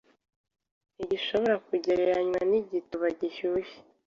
ntigishobora kugereranywa nigituba gishyushye